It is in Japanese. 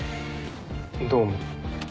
どうも。